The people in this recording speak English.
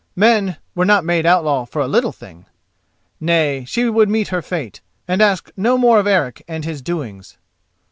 Men were not made outlaw for a little thing. Nay, she would meet her fate, and ask no more of Eric and his doings.